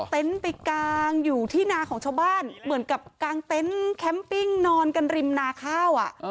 ไปกางอยู่ที่นาของชาวบ้านเหมือนกับกางเต็นต์แคมปิ้งนอนกันริมนาข้าว